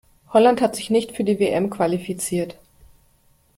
Holland hat sich nicht für die WM qualifiziert.